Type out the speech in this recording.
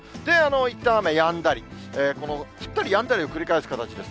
いったん雨やんだり、この降ったりやんだりを繰り返す形です。